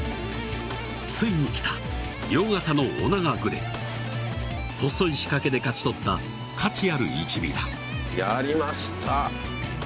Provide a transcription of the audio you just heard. ついにきた良型のオナガグレ細い仕掛けで勝ち取った価値ある１尾だやりました